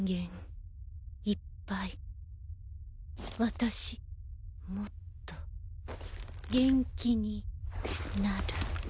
私もっと元気になる。